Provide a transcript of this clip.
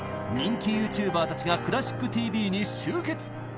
人気ユーチューバーたちが「クラシックＴＶ」に集結！